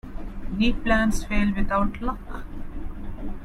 Neat plans fail without luck.